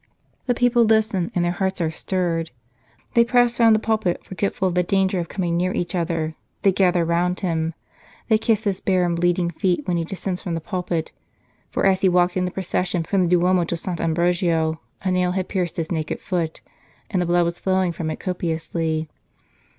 The people listen, and their hearts are stirred ; they press round the pulpit, forgetful of the danger of coming near each other ; they gather round him. They kiss his bare and bleeding feet when he descends from the pulpit ; for as he walked in the procession from the Duomo to Sant Ambrogio, a nail had pierced his naked foot, and the blood was flowing from it copiously.